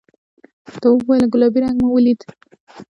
تواب وویل گلابي رنګ مې ولید.